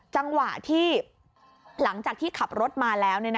จังหวะที่หลังจากที่ขับรถมาแล้ว